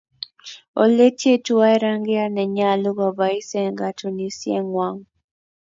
Oletyei tuwai rangiyat nenyaluu kobois eng katunisyengwong.